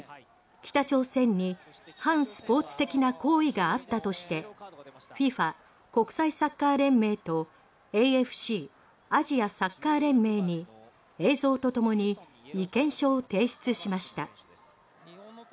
北朝鮮に反スポーツ的な行為があったとしてＦＩＦＡ・国際サッカー連盟とＡＦＣ・アジアサッカー連盟に映像とともに意見書を提出しました。